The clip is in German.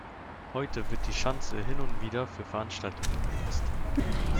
Heute wird die Schanze hin und wieder für Veranstaltungen genutzt.